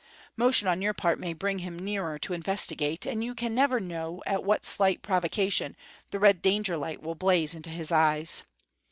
Motion on your part may bring him nearer to investigate; and you can never know at what slight provocation the red danger light will blaze into his eyes.